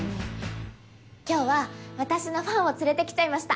今日は私のファンを連れてきちゃいました。